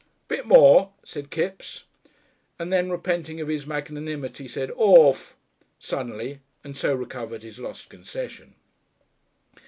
"Bit more!" said Kipps, and then, repenting of his magnanimity, said "Orf!" suddenly, and so recovered his lost concession.